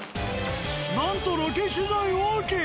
なんとロケ取材ＯＫ。